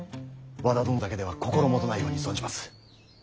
和田殿だけでは心もとないように存じます。